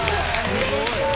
すごい！